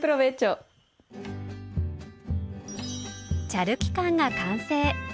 チャルキカンが完成。